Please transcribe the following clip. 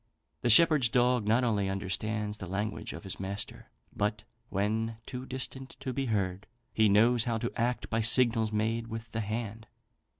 The shepherd's dog not only understands the language of his master, but, when too distant to be heard, he knows how to act by signals made with the hand."